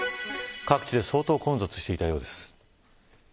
各地で相当混雑していたようです。